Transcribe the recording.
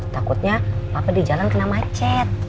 takutnya apa di jalan kena macet